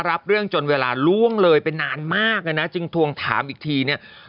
รับเรื่องจนเวลาล่วงเลยไปนานมากเลยนะจึงทวงถามอีกทีเนี่ย